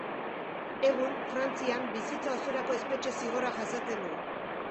Egun Frantzian bizitza osorako espetxe zigorra jasaten du.